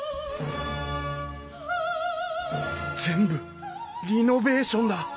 全部リノべーションだ。